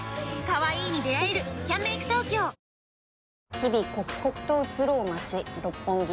日々刻々とうつろう街六本木